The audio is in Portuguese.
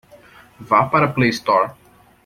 Vá para a Play Store.